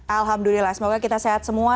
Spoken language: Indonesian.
alhamdulillah semoga kita sehat semua